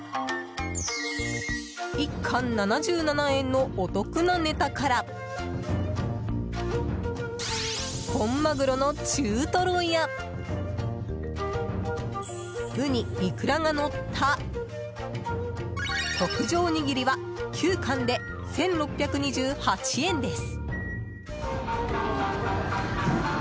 １貫７７円のお得なネタから本マグロの中トロやウニ、イクラがのった特上握りは９貫で１６２８円です。